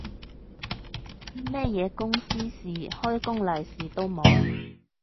乜嘢公司事，開工利是都冇